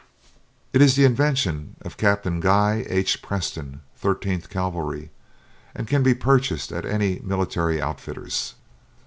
It is the invention of Captain Guy H. Preston, Thirteenth Cavalry, and can be purchased at any military outfitter's.